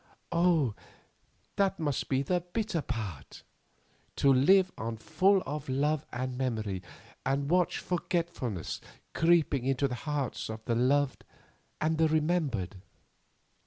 Oh! that must be the bitter part; to live on full of love and memory and watch forgetfulness creeping into the hearts of the loved and the remembered.